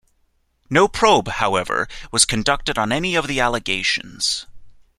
No probe, however, was conducted on any of the allegations.